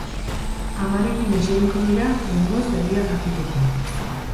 Amarekin eseriko dira behingoz egia jakiteko.